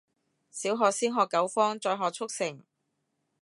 小學先學九方，再學速成